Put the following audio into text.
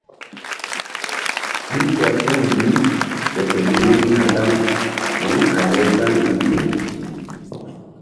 Ɓil kerpuh bi ƴo ke mun rihna gaŋ wu̧y a lewsa̧ri mí tu.